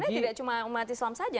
karena tidak cuma umat islam saja